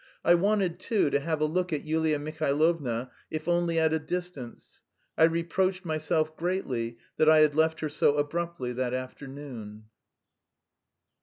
I wanted, too, to have a look at Yulia Mihailovna, if only at a distance. I reproached myself greatly that I had left her so abruptly that afternoon.